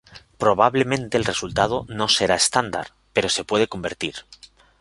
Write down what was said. Probablemente, el resultado no será estándar, pero se puede convertir.